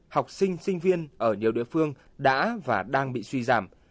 học sinh sinh viên ở nhiều địa phương đã và đang bị suy giảm